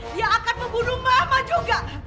dia akan membunuh mama juga